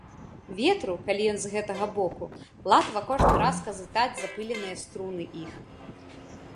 Ветру, калі ён з гэтага боку, латва кожны раз казытаць запыленыя струны іх.